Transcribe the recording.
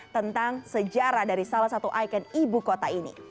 tentang sejarah dari salah satu ikon ibu kota ini